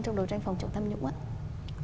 trong đối tranh phòng trọng tham nhũng